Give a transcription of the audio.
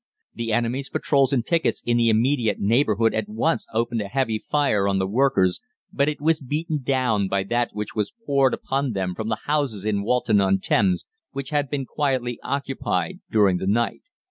The enemy's patrols and pickets in the immediate neighbourhood at once opened a heavy fire on the workers, but it was beaten down by that which was poured upon them from the houses in Walton on Thames, which had been quietly occupied during the night.